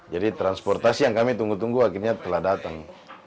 jadi transportasi yang kami tunggu tunggu akhirnya telah datang